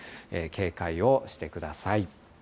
警戒をしてください。